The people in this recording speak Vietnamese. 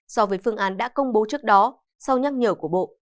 so với phương án đã công bố trước đó sau nhắc nhở của bộ